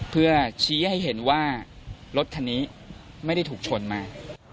เพื่อชี้ให้เห็นว่ารถคันนี้ไม่ได้ถูกชนมา